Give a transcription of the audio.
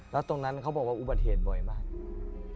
แล้วตรงนั้นเขาบอกว่าอุบัติเหตุบ่อยมาก